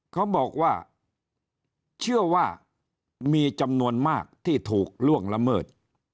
เขาบอกว่าเชื่อว่ามีจำนวนมากที่ถูกล่วงละเมิด